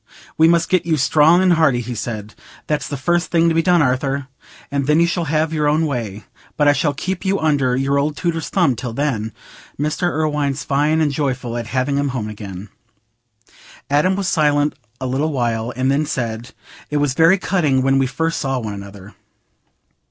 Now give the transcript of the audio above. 'We must get you strong and hearty,' he said, 'that's the first thing to be done Arthur, and then you shall have your own way. But I shall keep you under your old tutor's thumb till then.' Mr. Irwine's fine and joyful at having him home again." Adam was silent a little while, and then said, "It was very cutting when we first saw one another.